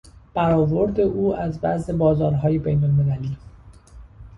برآورد او از وضع بازارهای بینالمللی